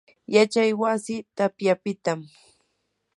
yachay wasi tapyapitam.